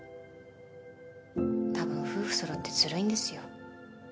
たぶん夫婦そろってずるいんですよ。